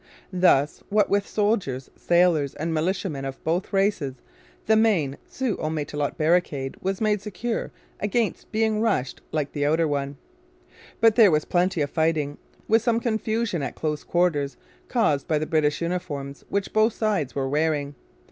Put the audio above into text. Thus, what with soldiers, sailors, and militiamen of both races, the main Sault au Matelot barricade was made secure against being rushed like the outer one. But there was plenty of fighting, with some confusion at close quarters caused by the British uniforms which both sides were wearing.